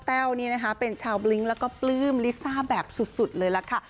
้วนี่นะคะเป็นชาวบลิ้งแล้วก็ปลื้มลิซ่าแบบสุดเลยล่ะค่ะ